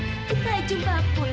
eh eh pan pan pan